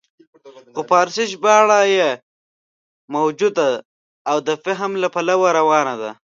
خو فارسي ژباړه یې موجوده او د فهم له پلوه روانه ده.